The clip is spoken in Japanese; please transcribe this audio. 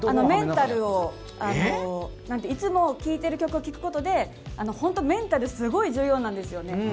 メンタルをいつも聴いている曲を聴くことで本当、メンタルがすごい重要なんですよね。